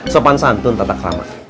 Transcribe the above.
sopan santun tatak ramah